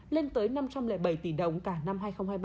lên tới năm trăm linh bảy tỷ đồng cả năm hai nghìn hai mươi ba